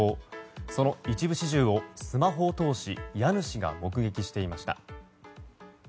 その一部始終をスマホを通し家主が目撃していました。